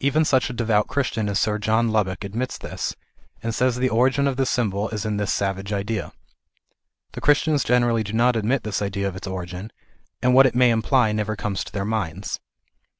Even such a devout Christian as Sir John Lubbock admits this, and says the origin of this symbol is in this savage idea. The Christians generally do not admit this idea of its origin ; and what it may imply never comes to their minds.